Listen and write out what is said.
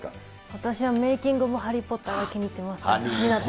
私はメイキング・オブ・ハリー・ポッターが気に入ってます。